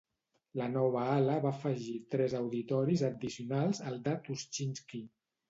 La nova ala va afegir tres auditoris addicionals al de Tuschinski.